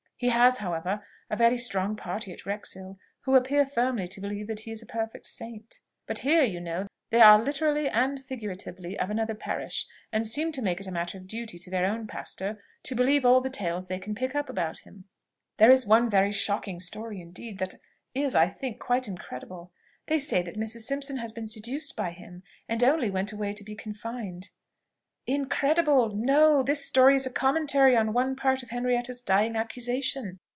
He has, however, a very strong party at Wrexhill, who appear firmly to believe that he is a perfect saint. But here, you know, they are literally and figuratively of another parish, and seem to make it a matter of duty to their own pastor to believe all the tales they can pick up about him. There is one very shocking story indeed, that is, I think, quite incredible. They say that Mrs. Simpson has been seduced by him, and only went away to be confined." "Incredible. No! this story is a commentary on one part of Henrietta's dying accusation.